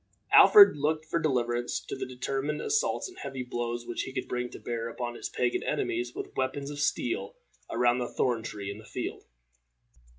Alfred looked for deliverance to the determined assaults and heavy blows which he could bring to bear upon his pagan enemies with weapons of steel around the thorn tree in the field.